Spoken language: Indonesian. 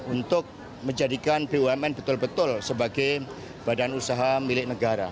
untuk menjadikan bumn betul betul sebagai badan usaha milik negara